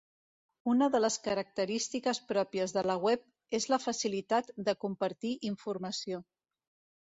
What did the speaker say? Una de les característiques pròpies de la web és la facilitat de compartir informació.